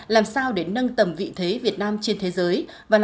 làm sao để nâng tầm vị thế việt nam trên thế giới